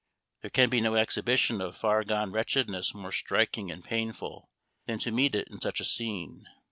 There can be no exhibition of far gone wretchedness more striking and painful than to meet it in such a scene.